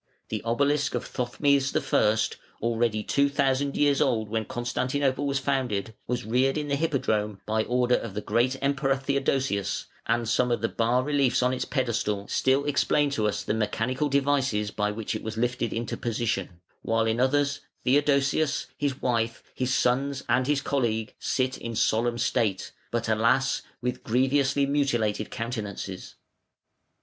The obelisk of Thothmes I., already two thousand years old when Constantinople was founded, was reared in the Hippodrome, by order of the great Emperor Theodosius, and some of the bas reliefs on its pedestal still explain to us the mechanical devices by which it was lifted into position, while in others Theodosius, his wife, his sons, and his colleague sit in solemn state, but, alas! with grievously mutilated countenances.